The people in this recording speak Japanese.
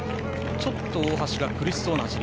ちょっと大橋が苦しそうな走り。